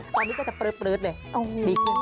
ตอนนี้ก็จะปลื๊ดเลย